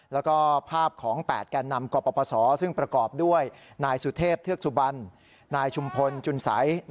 แล้วก็ภาพของ๘แก่นำกปศซึ่งประกอบด้วยนายสุเทพเทือกสุบันนายชุมพลจุนสัย